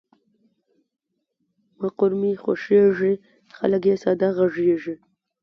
مقر مې خوښېږي، خلګ یې ساده غږیږي.